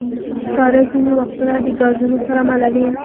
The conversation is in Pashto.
سکاره ځینې وختونه د ګازونو سره مله وي.